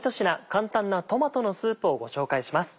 簡単なトマトのスープをご紹介します。